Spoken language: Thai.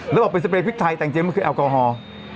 แล้วออกเป็นสเปรย์พริกไทยแต่งเจมันคือแอลกอฮอล์